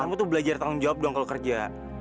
kamu tuh belajar tanggung jawab dong kalau kerja